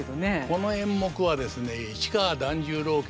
この演目はですね